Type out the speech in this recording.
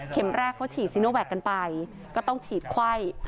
แรกเขาฉีดซีโนแวคกันไปก็ต้องฉีดไข้